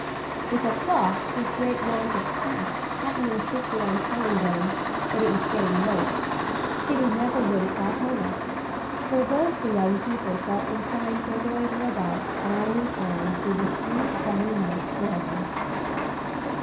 If a clock with great want of tact hadn't insisted on telling them that it was getting late, Kitty never would have got home, for both the young people felt inclined to loiter about arm in arm through the sweet summer night forever.